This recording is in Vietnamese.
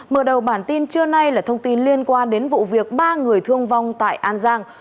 mở đầu bản tin trưa nay là thông tin liên quan đến vụ việc ba người thương vong tại an giang